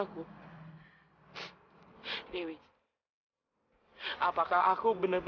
aku jatuh cinta sama aku